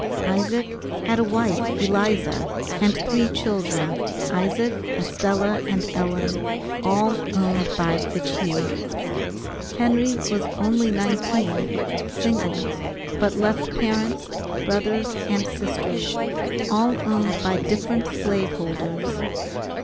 Isaac had a wife, Eliza, and three children, Isaac, Estella, and Ellen, all owned by Fitchhugh. Henry was only nineteen, single, but left parents, brothers, and sisters, all owned by different slave holders.